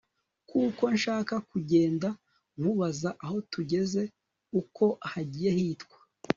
kuko nshaka kugenda nkubaza aho tugeze uko hagiye hitwa